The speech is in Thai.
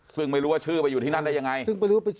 ซึ่งไม่รู้ว่าไปอยู่ที่นั้นยังไง